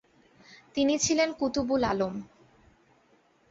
তিনি ছিলেন কুতুবুল আলম।